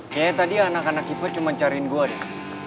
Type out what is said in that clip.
kayaknya tadi anak anak hiper cuma cariin gue deh